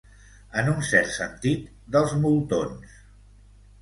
En un cert sentit, dels moltons.